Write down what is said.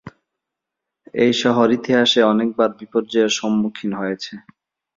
এই শহর ইতিহাসে অনেকবার বিপর্যয়ের সম্মুখীন হয়েছে।